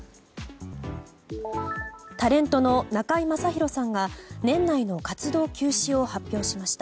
タレントの中居正広さんが年内の活動休止を発表しました。